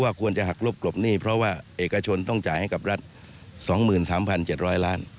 ควรจะหักลบกลบหนี้เพราะว่าเอกชนต้องจ่ายให้กับรัฐ๒๓๗๐๐ล้าน